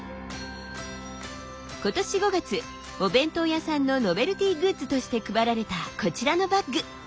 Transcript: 今年５月お弁当屋さんのノベルティーグッズとして配られたこちらのバッグ。